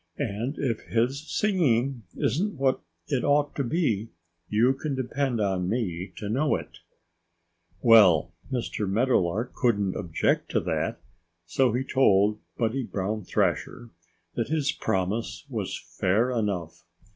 And if his singing isn't what it ought to be, you can depend on me to know it." Well, Mr. Meadowlark couldn't object to that. So he told Buddy Brown Thrasher that his promise was fair enough.